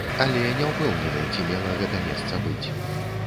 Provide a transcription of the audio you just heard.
Але не ўпэўнены, ці мела гэта месца быць.